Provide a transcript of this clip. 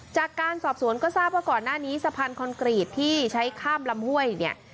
จากการสอบสวนก็ทราบว่าก่อนหน้านี้สะพานคอนกรีตที่ใช้ข้ามลำห้วยเนี่ย